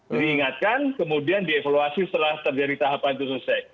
diingatkan kemudian dievaluasi setelah terjadi tahapan itu selesai